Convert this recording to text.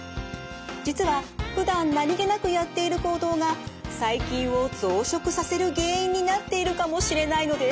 実はふだん何気なくやっている行動が細菌を増殖させる原因になっているかもしれないのです。